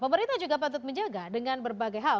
pemerintah juga patut menjaga dengan berbagai hal